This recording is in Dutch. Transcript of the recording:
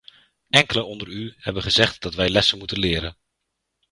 Enkelen onder u hebben gezegd dat wij lessen moeten leren.